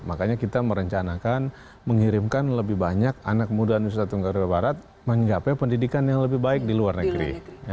makanya kita merencanakan mengirimkan lebih banyak anak muda nusa tenggara barat mencapai pendidikan yang lebih baik di luar negeri